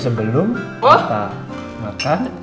sebelum kita makan